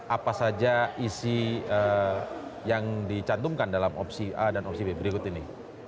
apa saja isi yang dicantumkan dalam opsi a dan opsi b berikut ini